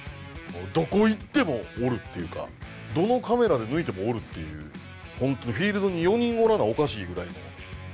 どこ行ってもおるっていうかどのカメラで抜いてもおるっていうフィールドに４人おらなおかしいぐらいの。